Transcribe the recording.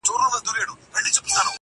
ستادی ،ستادی، ستادی فريادي گلي